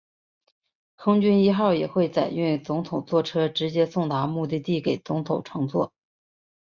空军一号也会载运总统座车直接送达目的地给总统乘坐。